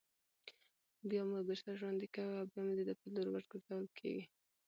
بيا مو بېرته راژوندي كوي او بيا د ده په لور ورگرځول كېږئ